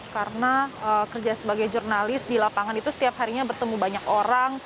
karena kerja sebagai jurnalis di lapangan itu setiap harinya bertemu banyak orang